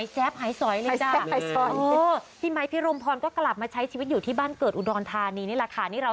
จำลามาหางานทำ